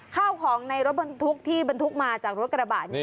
ข้าวของในรถบรรทุกที่บรรทุกมาจากรถกระบะนี้